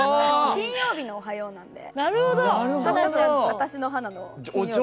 「金曜日のおはよう」なので。